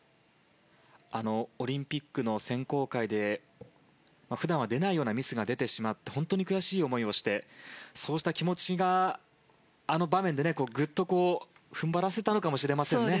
オリンピックの選考会で普段は出ないようなミスが出てしまって本当に悔しい思いをしてそうした気持ちが、あの場面でぐっと踏ん張らせたのかもしれませんね。